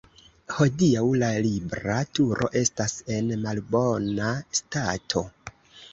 Hodiaŭ la Libra Turo estas en malbona stato.